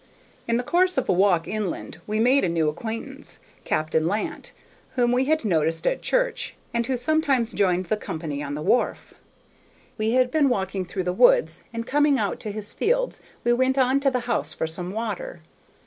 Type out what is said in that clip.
In the course of a walk inland we made a new acquaintance, Captain Lant, whom we had noticed at church, and who sometimes joined the company on the wharf. We had been walking through the woods, and coming out to his fields we went on to the house for some water.